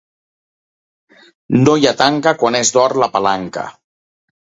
No hi ha tanca quan és d'or la palanca.